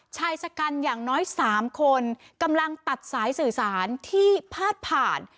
ชายชะกันอย่างน้อย๓คนกำลังตัดสายสื่อสารที่พาดผ่าน